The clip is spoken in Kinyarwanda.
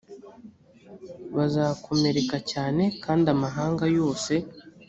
bazakomereka cyane kandi amahanga yose